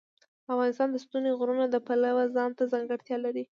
افغانستان د ستوني غرونه د پلوه ځانته ځانګړتیا لري.